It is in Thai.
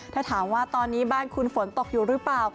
ถ้าถามว่าตอนนี้บ้านคุณฝนตกอยู่หรือเปล่า